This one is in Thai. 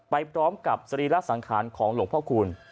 ไปพร้อมกับสรีระสังขารของหลวงพ่อคูณ